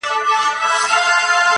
یار به واچوم تارونه نوي نوي و رباب ته,